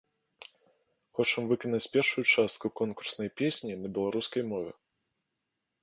Хочам выканаць першую частку конкурснай песні на беларускай мове.